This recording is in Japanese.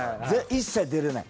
一切出られない。